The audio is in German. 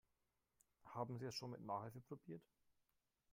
Haben Sie es schon mit Nachhilfe probiert?